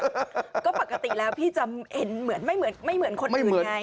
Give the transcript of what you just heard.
ก็ปกติแล้วพี่จะเห็นไม่เหมือนคนอื่นไง